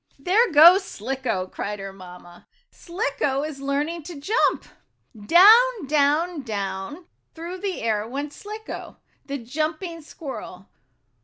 "There goes Slicko!" cried her mamma. "Slicko is learning to jump!" Down, down, down through the air went Slicko, the jumping squirrel.